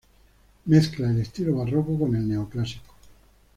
Mezcla el estilo barroco con el neoclásico.